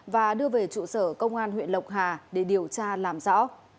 và đưa về trụ sở công an huyện lộc hà để điều tra làm rõ